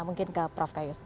mungkin ke prof kayus